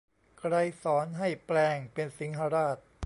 ไกรสรให้แปลงเป็นสิงหราช